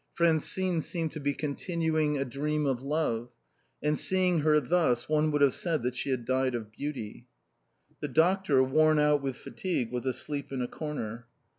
Francine seemed to be continuing 238 THE BOHEMIANS OF THE LATIN QUARTER. a dream of love, and seeing her thus one would have said that she had died of beauty. The doctor, worn out with fatigue, was asleep in a corner.